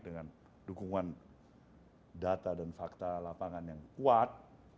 dengan dukungan data dan fakta lapangan yang kuat